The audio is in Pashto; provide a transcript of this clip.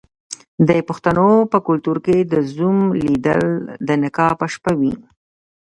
د پښتنو په کلتور کې د زوم لیدل د نکاح په شپه وي.